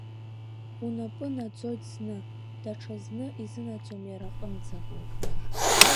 Унапы наӡоит зны, даҽазны изынаӡом иара аҟынӡа.